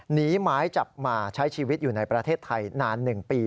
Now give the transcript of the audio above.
หนีหมายจับมาใช้ชีวิตอยู่ในประเทศไทยนาน๑ปี